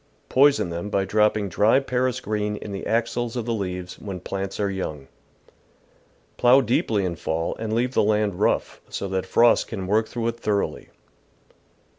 Poison them by dropping dry Paris green in the axils of the leaves when j^lants are young. Plough deeply in fall and leave the land rough, so that frost can work through it thoroughly.